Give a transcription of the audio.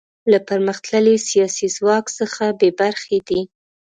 له پرمختللي سیاسي ځواک څخه بې برخې دي.